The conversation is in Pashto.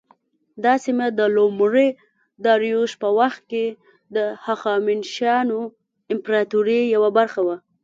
دا سیمه د لومړي داریوش په وخت کې د هخامنشیانو امپراطورۍ یوه برخه وه.